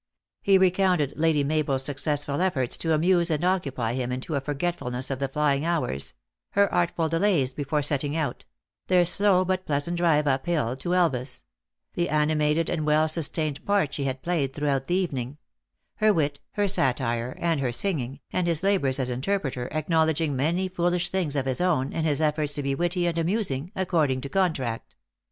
He recounted Lady Mabel s successful oOO THE ACTRESS IN HIGH LIFE. efforts to amnse and occupy him into a forgetfulness of the flying hours ; her artful delays before setting out; their slow but pleasant drive up hill to Elvas; the animated and well sustained part she had played throughout the evening; her wit, her satire, and her singing, and his labors as interpreter, acknowledging many foolish things of his own, in his efforts to be witty and amusing according to contract.